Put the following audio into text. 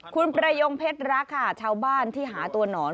คุณประยงเพชรรักค่ะชาวบ้านที่หาตัวหนอน